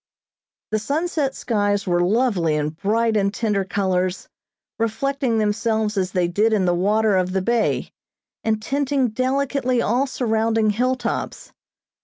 The sunset skies were lovely in bright and tender colors, reflecting themselves as they did in the water of the bay, and tinting delicately all surrounding hilltops.